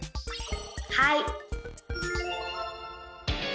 はい！